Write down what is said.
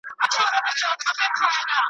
واورۍ له ارغند تر اباسین پوري پرتو خلکو .